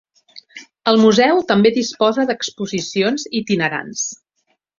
El museu també disposa d'exposicions itinerants.